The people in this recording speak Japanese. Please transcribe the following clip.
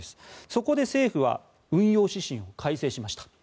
そこで政府は運用指針を改正しました。